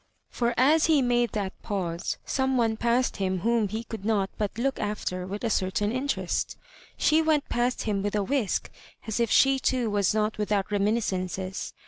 For as be made that pause, some one p^tssed him whom he could not but look afler with a certaiil interest She went past him with a whisk, as if she too was not without reminis cences.